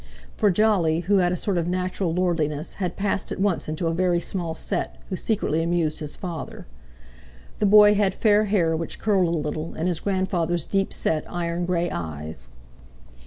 For Jolly, who had a sort of natural lordliness, had passed at once into a very small set, who secretly amused his father. The boy had fair hair which curled a little, and his grandfather's deepset iron grey eyes.